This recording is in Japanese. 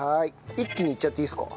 一気にいっちゃっていいですか？